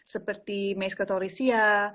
seperti maiska taurisia